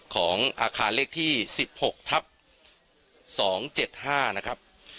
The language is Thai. ของอาคารเลขที่๑๖ทับ๒๗๕นะครับ